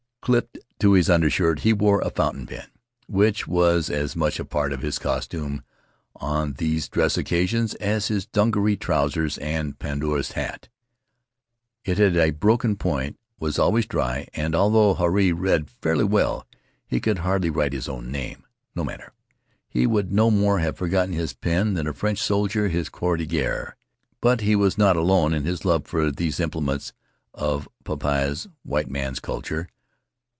Clipped to his undershirt he wore a fountain pen, which was as much a part of his costume on those dress occasions as his dungaree trousers and pandanus hat. It had a broken point, was always dry, and, although Huirai read fairly well, he could hardly write his own name. No matter. He would no more have forgotten his pen than a French soldier his Croix de guerre. But he was not alone in his love for these implements of the popaa's (white man's) culture.